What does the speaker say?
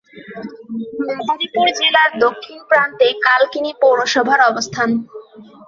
মাদারীপুর জেলার দক্ষিণ প্রান্তে কালকিনি পৌরসভার অবস্থান।